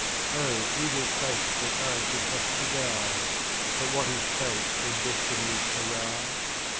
Oh, evil Fate that I should have to die ! But what is Fate when Destiny 's awry